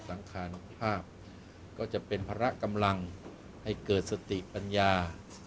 สังคานุภาพก็จะเป็นพระกำลังให้เกิดสติปัญญา